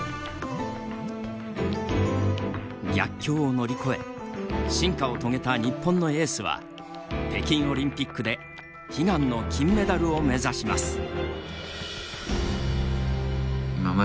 逆境を乗り越え進化を遂げた日本のエースは北京オリンピックで悲願の金メダルを目指します。